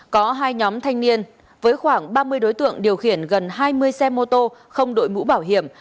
có hai nhóm thanh niên với khoảng ba mươi đối tượng điều khiển gần hai mươi xe mô tô không đội mũ bảo hiểm